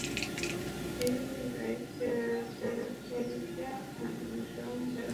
দিনে রাইতে কাইজ্জা আর কত সওন যায়।